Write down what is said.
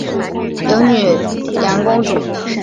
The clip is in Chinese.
有女沘阳公主。